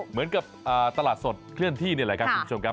เหมือนกับตลาดสดเคลื่อนที่นี่แหละครับคุณผู้ชมครับ